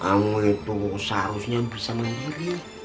kamu itu seharusnya bisa mandiri